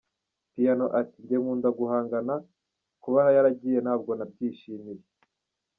Piano ati “Njye nkunda guhangana, kuba yaragiye ntabwo nabyishimiye”.